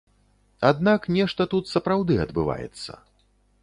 Аднак нешта тут сапраўды адбываецца.